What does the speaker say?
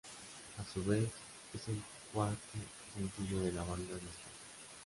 A su vez es el cuarto Sencillo de la banda en España.